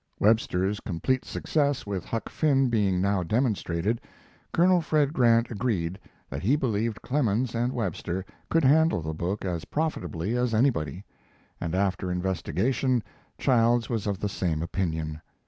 Webster's complete success with Huck Finn being now demonstrated, Colonel Fred Grant agreed that he believed Clemens and Webster could handle the book as profitably as anybody; and after investigation Childs was of the same opinion.